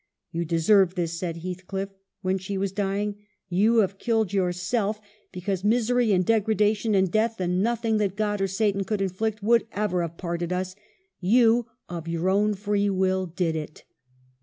" You deserve this," said Heathcliff, when she was dying. " You have killed yourself. Because 'WUTHERING HEIGHTS: 273 misery and degradation and death, and nothing that God or Satan could inflict would ever have parted us : you, of your own will, did it."